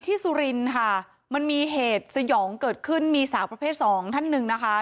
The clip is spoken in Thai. สุรินทร์ค่ะมันมีเหตุสยองเกิดขึ้นมีสาวประเภทสองท่านหนึ่งนะคะ